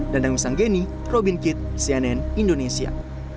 dandang isanggeni robin kitt cnn indonesia